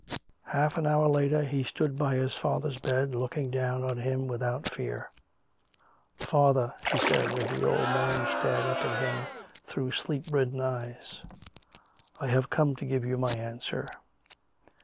Half an hour later he stood by his father's bed, looking down on him without fear. " Father," he said, as the old man stared up at him through sleep ridden eyes, " I have come to give you my answer.